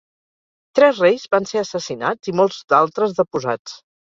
Tres reis van ser assassinats i molts d'altres deposats.